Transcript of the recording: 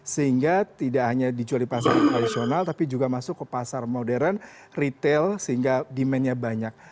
sehingga tidak hanya dijual di pasar tradisional tapi juga masuk ke pasar modern retail sehingga demandnya banyak